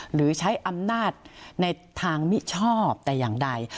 หรือใช้อำนาจในทางมิชอบแต่อย่างใด